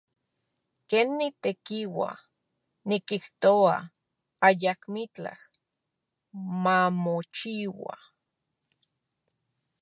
Ken nitekiua, nikijtoa ayakmitlaj mamochiua.